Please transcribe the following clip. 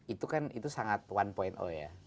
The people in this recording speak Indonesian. itu kan itu sangat satu ya